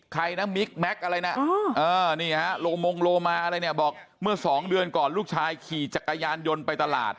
ใครนะมิ๊กแม็กอะไรนะโมงโลมาบอกเมื่อ๒เดือนก่อนลูกชายขี่จักรยานยนต์ไปตลาด